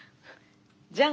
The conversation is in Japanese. じゃん！